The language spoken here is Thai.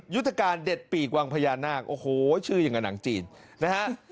ยุทธการเด็ดปีกวังพญานาคโอ้โหชื่ออย่างกับหนังจีนนะฮะ